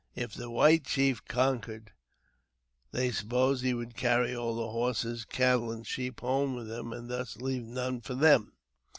If the white chief conquered, they supposed he would carry all the horses, cattle, and sheep home with him, and thus leave none for them.